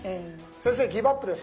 先生ギブアップです。